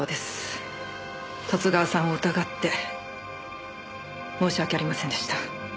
十津川さんを疑って申し訳ありませんでした。